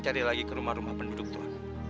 saya akan cari lagi ke rumah rumah penduduk tuan